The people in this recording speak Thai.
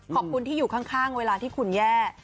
ขอบคุณที่อยู่ข้างเวลาที่คุณแย่